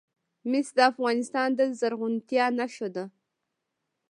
مس د افغانستان د زرغونتیا نښه ده.